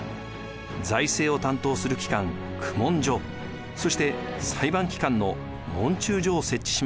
財政を担当する機関・公文所そして裁判機関の問注所を設置しました。